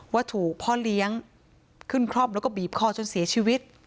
ว่าถูกพ่อเลี้ยงขึ้นคล่อมแล้วก็บีบคอจนเสียชีวิต